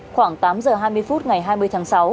khoảng tám giờ hai mươi phút ngày hai mươi tháng sáu